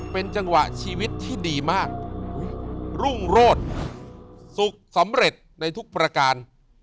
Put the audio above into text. เป็นจังหวะชีวิตที่ดีมากรุ่งโรศสุขสำเร็จในทุกประการ